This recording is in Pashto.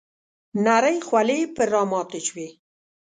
نرۍ خولې پر راماتې شوې .